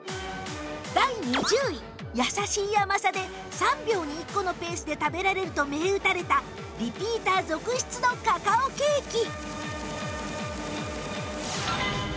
第２０位やさしい甘さで３秒に１個のペースで食べられると銘打たれたリピーター続出のカカオケーキ